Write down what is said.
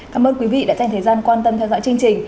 cảm ơn quý vị đã dành thời gian quan tâm theo dõi chương trình